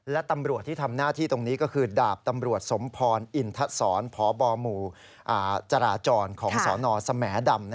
และตำรวจที่ทำหน้าที่ตรงนี้ก็คือดาบตำรวจสมพรอินทศรพบหมู่จราจรของสนสแหมดำ